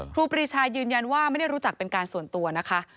ครีชายืนยันว่าไม่ได้รู้จักเป็นการส่วนตัวนะคะ